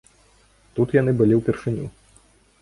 Тут яны былі ўпершыню.